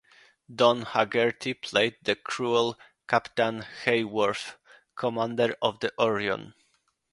Don Haggerty played the cruel Captain Hayworth, commander of the "Orion".